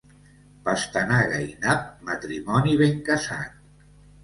Pastanaga i nap, matrimoni ben casat.